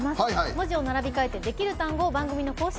文字を並び替えてできるものを番組の公式